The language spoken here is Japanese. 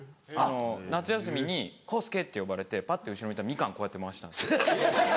夏休みに「こすけ」って呼ばれてパッて後ろ見たらミカンこうやって回してた。